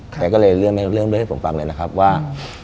แกก็เลยเรื่องด้วยให้ผมฟังเลยนะครับว่า